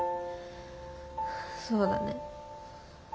そうだね。